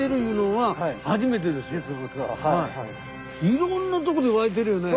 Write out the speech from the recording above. いろんなとこで湧いてるよね。